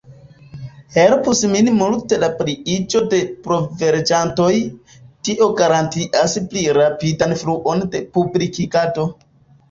Helpus nin multe la pliiĝo de provlegantoj, tio garantias pli rapidan fluon de publikigado.